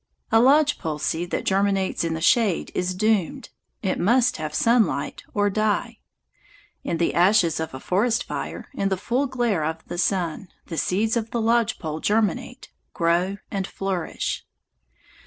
A lodge pole seed that germinates in the shade is doomed. It must have sunlight or die. In the ashes of a forest fire, in the full glare of the sun, the seeds of the lodge pole germinate, grow, and flourish.